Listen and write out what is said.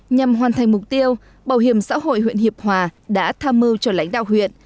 nhằm hoàn thành mục tiêu bảo hiểm xã hội huyện hiệp hòa đã tham mưu cho lãnh đạo huyện